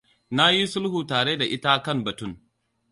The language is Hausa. Na yi sulhu tare da ita kan batun.